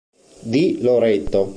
Di Loreto